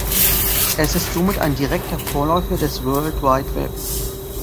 Es ist somit ein direkter Vorläufer des World Wide Web.